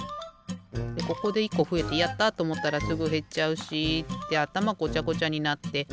でここで１こふえて「やった！」とおもったらすぐへっちゃうしってあたまごちゃごちゃになってさいご